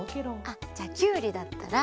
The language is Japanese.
あじゃきゅうりだったら。